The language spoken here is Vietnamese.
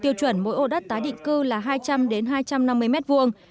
tiêu chuẩn mỗi ô đất tái định cư là hai trăm linh đến hai trăm năm mươi mét vuông